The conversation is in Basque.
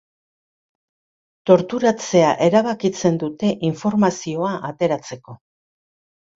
Torturatzea erabakitzen dute, informazioa ateratzeko.